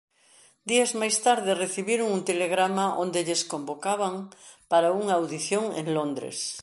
Días máis tarde recibiron un telegrama onde lles convocaban para unha audición en Londres.